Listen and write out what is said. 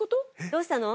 どうしたの？